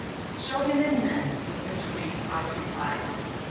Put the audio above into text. "Show him in, then," was Mr. Ried's prompt reply.